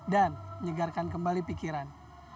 dan menyegarkan kembali pikiran